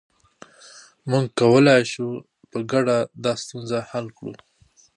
موږ کولای شو په ګډه دا ستونزه حل کړو.